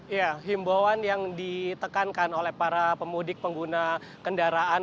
ya himbauan yang ditekankan oleh para pemudik pengguna kendaraan